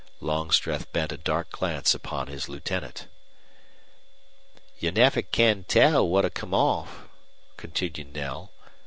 Longstreth bent a dark glance upon his lieutenant. "You never can tell what'll come off," continued Knell.